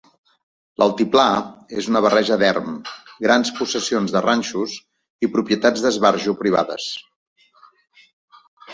L'altiplà és una barreja de erm, grans possessions de ranxos i propietats d'esbarjo privades.